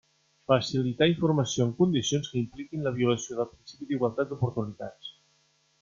Facilitar informació en condicions que impliquin la violació del principi d'igualtat d'oportunitats.